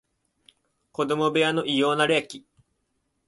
子供部屋の異様な冷気